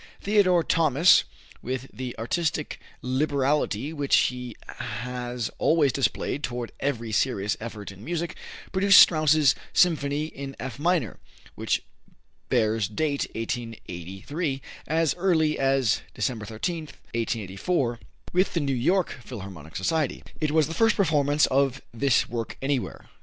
Theodore Thomas, with the artistic liberality which he has always displayed toward every serious effort in music, produced Strauss's symphony in F minor, which bears date 1883, as early as December 13, 1884, with the New York Philharmonic Society. It was the first performance of this work anywhere.